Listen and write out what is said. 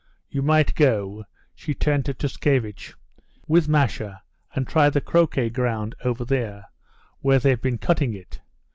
You might go"—she turned to Tushkevitch—"with Masha, and try the croquet ground over there where they've been cutting it.